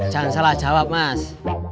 jangan salah jawab mas